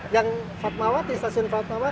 yang fatmawati stasiun fatmawati